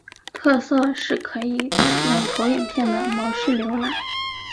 特色是可以使用投影片的模式浏览。